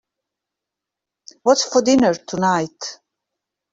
What's for dinner tonight?